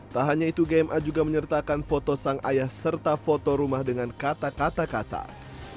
tak hanya itu gma juga menyertakan foto sang ayah serta foto rumah dengan kata kata kasar